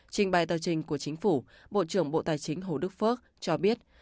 trình bày tờ trình của chính phủ bộ trưởng bộ tài chính hồ đức phước cho biết